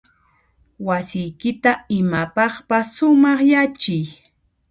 Wasiykita imapaqpas sumaqyachiy.